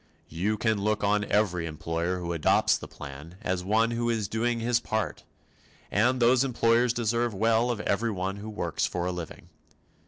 You can look on every employer who adopts the plan as one who is doing his part, and those employers deserve well of everyone who works for a living.